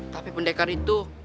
tapi pendekar itu